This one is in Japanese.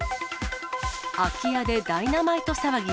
空き家でダイナマイト騒ぎ。